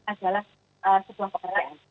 adalah sebuah pekerjaan